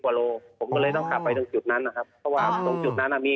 ผู้โดยสารว่ายังไงบ้างพอเห็นดาบขับดับนี้